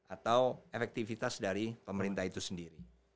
atau efektivitas dari pemerintah itu sendiri